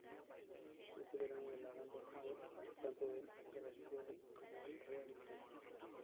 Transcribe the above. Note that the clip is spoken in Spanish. Ese verano la banda tocó tanto en el Glastonbury como en el Reading Festival.